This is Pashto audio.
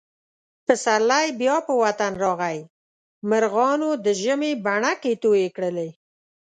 پسرلی بیا په وطن راغی. مرغانو د ژمي بڼکې تویې کړلې.